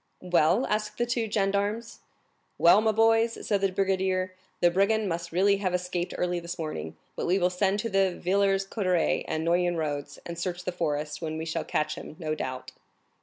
"Well?" asked the two gendarmes. "Well, my boys," said the brigadier, "the brigand must really have escaped early this morning; but we will send to the Villers Coterets and Noyon roads, and search the forest, when we shall catch him, no doubt."